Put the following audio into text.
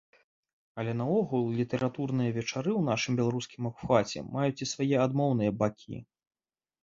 Але наогул літаратурныя вечары ў нашым беларускім абхваце маюць і свае адмоўныя бакі.